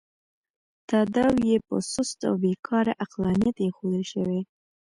تاداو یې په سست او بې کاره عقلانیت اېښودل شوی.